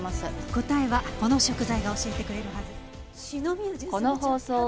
答えはこの食材が教えてくれるはず。